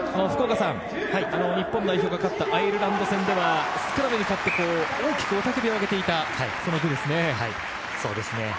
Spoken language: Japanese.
日本代表が勝ったアイルランド戦ではスクラムに勝って、大きく雄たけびをそうですね。